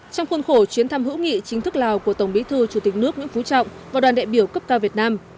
trong khuôn khổ chuyến thăm hữu nghị chính thức lào của tổng bí thư chủ tịch nước nguyễn phú trọng và đoàn đại biểu cấp cao việt nam